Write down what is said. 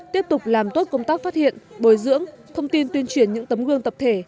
tiếp tục làm tốt công tác phát hiện bồi dưỡng thông tin tuyên truyền những tấm gương tập thể